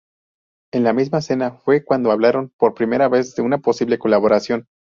En la misma cena fue cuando hablaron por primera vez de una posible colaboración.